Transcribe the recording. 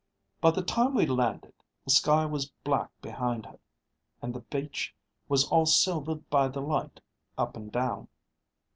By the time we landed, the sky was black behind her, and the beach was all silvered by the light, up and down.